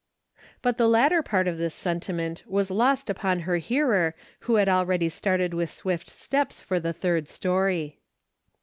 But the latter part of this sentiment was lost upon her hearer who had already started with swift steps for the third story.